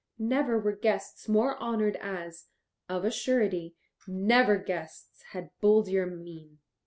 Never were guests more honoured as, of a surety, never guests had bolder mien.